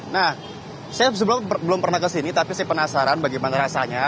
nah saya sebelumnya belum pernah ke sini tapi saya penasaran bagaimana rasanya